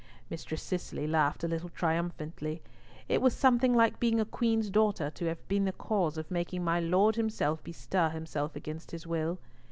Mistress Cicely laughed a little triumphantly. It was something like being a Queen's daughter to have been the cause of making my Lord himself bestir himself against his will.